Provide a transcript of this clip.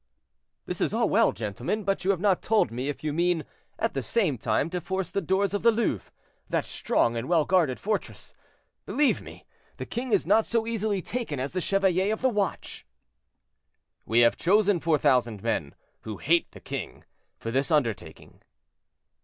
"This is all well, gentlemen; but you have not told me if you mean, at the same time, to force the doors of the Louvre—that strong and well guarded fortress. Believe me, the king is not so easily taken as the chevalier of the watch." "We have chosen four thousand men, who hate the king, for this undertaking."